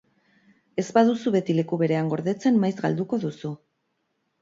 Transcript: Ez baduzu beti leku berean gordetzen, maiz galduko duzu.